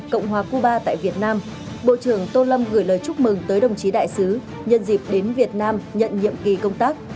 chúc mừng đồng chí đại sứ nhận dịp đến việt nam nhận nhiệm kỳ công tác